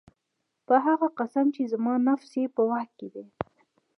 په هغه ذات قسم چي زما نفس ئې په واك كي دی